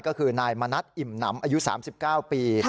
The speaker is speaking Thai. ก็คือนายมณัฐอิ่มหนำอายุ๓๙ปี